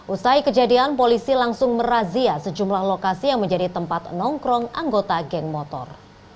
usai kejadian polisi langsung merazia sejumlah lokasi yang menjadi tempat nongkrong anggota geng motor